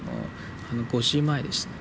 ５時前でしたね。